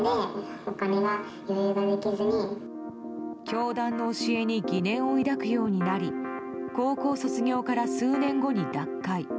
教団の教えに疑念を抱くようになり高校卒業から数年後に脱会。